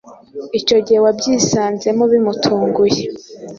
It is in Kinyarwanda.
icyo gihe wabyisanzemo bimutunguye